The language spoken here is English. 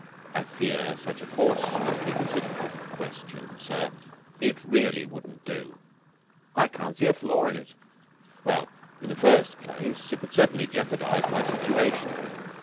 "I fear such a course must be considered out of the question, sir. It really wouldn't do." "I can't see a flaw in it." "Well, in the first place, it would certainly jeopardise my situation...."